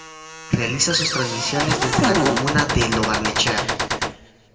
Realiza sus transmisiones desde la comuna de Lo Barnechea.